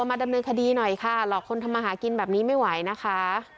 มาดำเนินคดีหน่อยค่ะหลอกคนทำมาหากินแบบนี้ไม่ไหวนะคะ